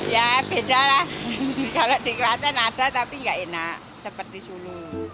ya beda lah kalau di klaten ada tapi nggak enak seperti sulu